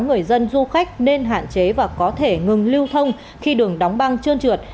người dân du khách nên hạn chế và có thể ngừng lưu thông khi đường đóng băng trơn trượt